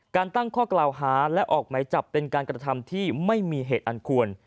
การตั้งข้อกล่าวหาและออกไหมจับเป็นการกระทำที่ไม่มีเหตุอันควร